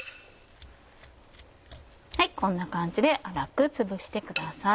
こんな感じで粗くつぶしてください。